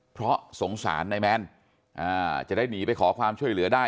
เพราะสงสารนายแมนจะได้หนีไปขอความช่วยเหลือได้